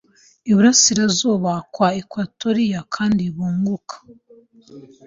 Iburasirazuba bwa Ekwatoriya kandi bunguka